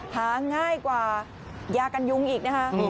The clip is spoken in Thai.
หาง่ายกว่ายากันยุงอีกนะคะ